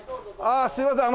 すいません。